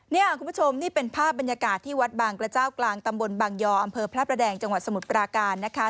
นี่คุณผู้ชมนี่เป็นภาพบรรยากาศที่วัดบางกระเจ้ากลางตำบลบางยออำเภอพระประแดงจังหวัดสมุทรปราการนะคะ